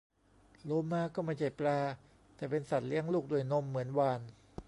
โลมา ก็ไม่ใช่ปลา แต่เป็นสัตว์เลี้ยงลูกด้วยนมเหมือนวาฬ